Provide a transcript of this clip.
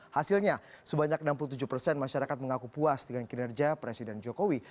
hasilnya sebanyak enam puluh tujuh persen masyarakat mengaku puas dengan kinerja presiden jokowi